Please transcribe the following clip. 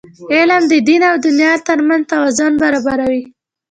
علم د دین او دنیا ترمنځ توازن برابروي.